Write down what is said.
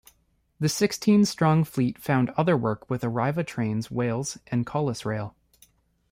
The sixteen strong fleet found other work with Arriva Trains Wales and Colas Rail.